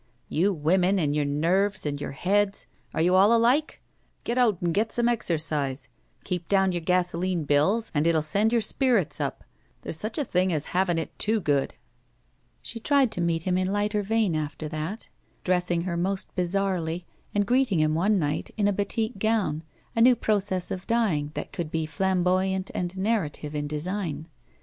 "You women and your nerves and your heads! Are you all alike? Get out and get some exercise. Keep down your gasoline bills and it will send your lOI • BACK. PAY .'„•*•*■•••••...•..* spirits up. There's such a thing as having it too good." She tried to meet him in lighter vein after that, dressing her most bizarrely, and greeting him one night in a batik gown, a new process of dyeing that could be flamboyant and narrative in design.